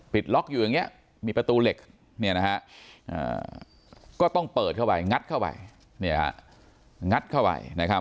ปิดล็อคอยู่อย่างนี้มีประตูเหล็กเนี่ยนะฮะก็ต้องเปิดเข้าไปงัดเข้าไป